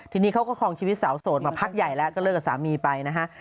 ทีนี้เขาก็คลองชีวิตสาวโสดมาพักใหญ่แล้วก็เลิกกับสามีไปนะฮะ